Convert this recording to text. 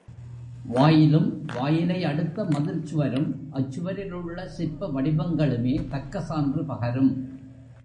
வாயிலும் வாயிலை அடுத்த மதில் சுவரும் அச்சுவரில் உள்ள சிற்ப வடிவங்களுமே தக்க சான்று பகரும்.